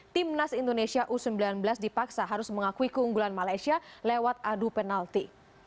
timnas indonesia u sembilan belas dipaksa harus mengakui keunggulan malaysia lewat adu penalti